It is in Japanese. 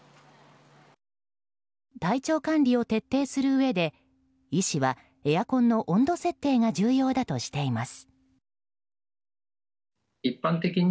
体調管理を徹底するうえで医師は、エアコンの温度設定が重要だとしています。